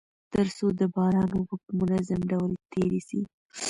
تر څو د باران اوبه په منظم ډول تيري سي.